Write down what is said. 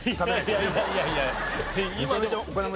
いやいやいやいや。